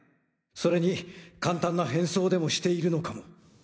それに簡単な変装でもしているのかも。